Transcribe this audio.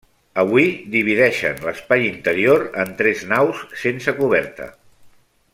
Avui divideixen l'espai interior en tres naus sense coberta.